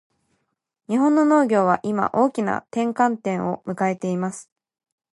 日本の農業は今、大きな転換点を迎えています。